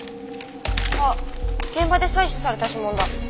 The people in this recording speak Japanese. あっ現場で採取された指紋だ。